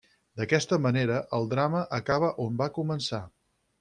D'aquesta manera, el drama acaba on va començar.